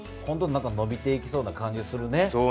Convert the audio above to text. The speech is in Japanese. ほんとのびていきそうな感じがするね。